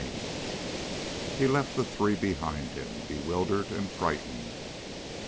CHAPTER 2 He left the three behind him, bewildered and frightened.